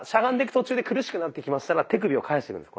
途中で苦しくなってきましたら手首を返していくんです。